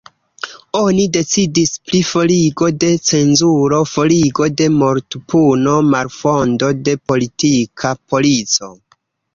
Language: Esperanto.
Oni decidis pri forigo de cenzuro, forigo de mortpuno, malfondo de politika polico.